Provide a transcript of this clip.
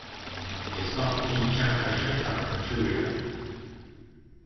They sought to keep Chiang Kai-shek out of Manchuria.